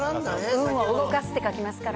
運を動かすって書きますから。